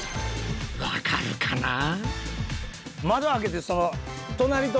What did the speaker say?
分かるかなあ？